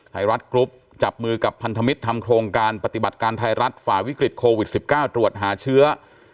ไทยรัฐกรุ๊ปจับมือกับพันธมิตรทำโครงการปฏิบัติการไทยรัฐฝ่าวิกฤตโควิด๑๙ตรวจหาเชื้อ